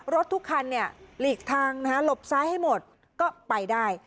รถทุกคันเนี่ยหลีกทางหลบซ้ายให้หมดก็ไปได้